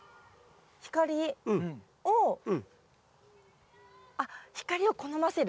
光をあっ光を好ませる？